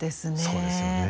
そうですよね。